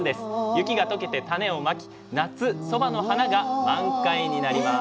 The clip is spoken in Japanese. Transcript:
雪が解けて種をまき夏そばの花が満開になります。